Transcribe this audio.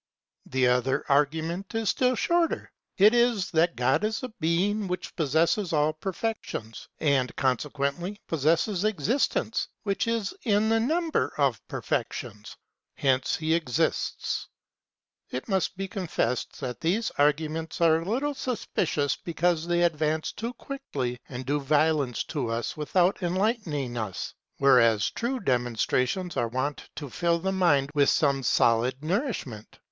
The other argument is still shorter. It is that God is a being which possesses all perfections and consequently possesses existence which is in the number of perfections ; hence he exists. It must be confessed that these arguments are a little suspicious because they advance too quickly and do violence to us without enlightening us ; whereas true demonstrations are wont to fill the mind with some solid nourishment.